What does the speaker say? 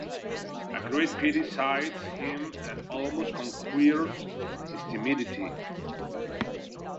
A great pity seized him and almost conquered his timidity.